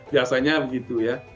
biasanya begitu ya